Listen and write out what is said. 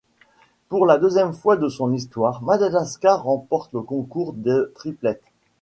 Pour la deuxième fois de son histoire, Madagascar remporte le concours de triplette.